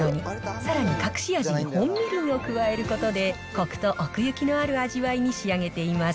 さらに隠し味に本みりんを加えることで、コクと奥行きのある味わいに仕上げています。